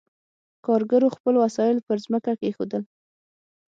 کارګرو خپل وسایل پر ځمکه کېښودل.